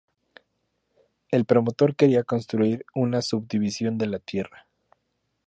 El promotor quería construir una subdivisión de la tierra.